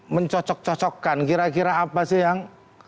mencocok cocokkan kira kira apa sih yang